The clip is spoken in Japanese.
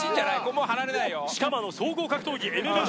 もう離れないよしかも総合格闘技ＭＭＡ